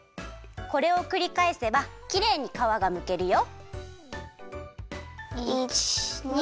これをくりかえせばきれいにかわがむけるよ。